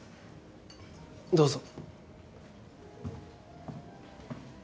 どうぞ。